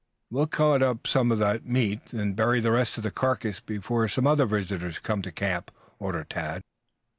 "We will cut up some of that meat, then bury the rest of the carcass before some other visitors come to camp," ordered Tad.